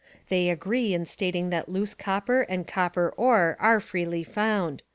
They agree in stating that loose copper and copper ore are freely found.